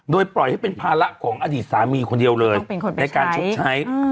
โดยปล่อยให้เป็นภาระของอดีตสามีคนเดียวเลยในการชดใช้